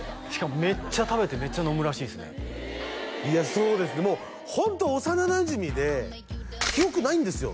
そうですねホント幼なじみで記憶ないんですよ